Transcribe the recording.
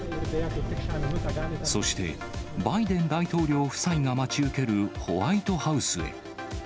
そして、バイデン大統領夫妻が待ち受けるホワイトハウスへ。